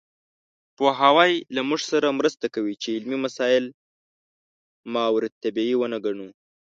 پوهاوی له موږ سره مرسته کوي چې علمي مسایل ماورالطبیعي ونه ګڼو.